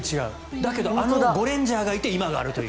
だけどあのゴレンジャーがいて今があるという。